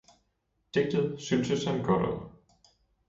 Digtet syntes han godt om.